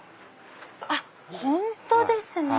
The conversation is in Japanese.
あっ本当ですね！